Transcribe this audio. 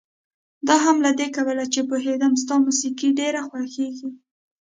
دا هم له دې کبله چې پوهېدم ستا موسيقي ډېره خوښېږي.